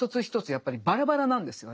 やっぱりバラバラなんですよ